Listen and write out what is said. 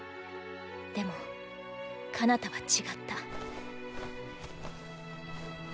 でもかなたは違った。